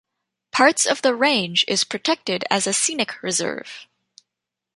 Parts of the range is protected as a scenic reserve.